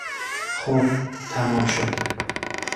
خب، تمام شد!